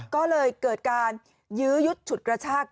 ก็เลยเกิดการยื้อยุดฉุดกระชาก